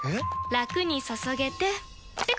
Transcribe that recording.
ラクに注げてペコ！